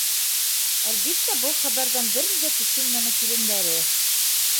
Әлбиттә был хәбәрҙән бер ни ҙә төшөнмәне килендәре.